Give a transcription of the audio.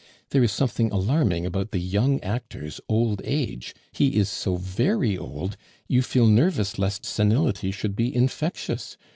There is something alarming about the young actor's old age; he is so very old; you feel nervous lest senility should be infectious.